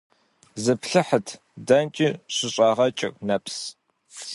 Зыплъыхьыт – дэнкӀи щыщӀагъэкӀыр нэпс…